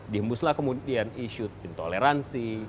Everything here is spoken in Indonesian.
dihembuslah kemudian isu intoleransi